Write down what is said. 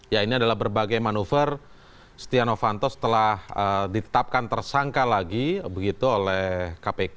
ya ini adalah berbagai manuver setia novanto setelah ditetapkan tersangka lagi begitu oleh kpk